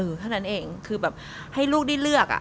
เท่านั้นเองคือแบบให้ลูกได้เลือก